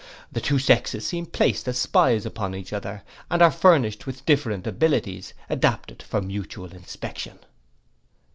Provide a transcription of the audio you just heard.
The two sexes seem placed as spies upon each other, and are furnished with different abilities, adapted for mutual inspection.